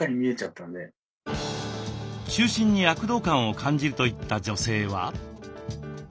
中心に躍動感を感じるといった女性は？